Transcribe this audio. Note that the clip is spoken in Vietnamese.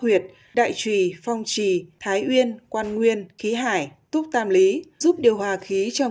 huyệt đại trùy phong trì thái uyên quan nguyên khí hải túc tam lý giúp điều hòa khí trong